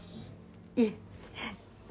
いえ。